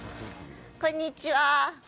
こんにちは。